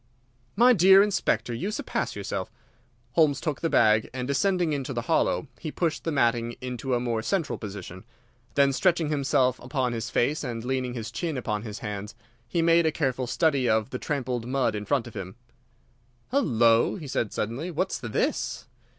"My dear Inspector, you surpass yourself!" Holmes took the bag, and, descending into the hollow, he pushed the matting into a more central position. Then stretching himself upon his face and leaning his chin upon his hands, he made a careful study of the trampled mud in front of him. "Hullo!" said he, suddenly. "What's this?"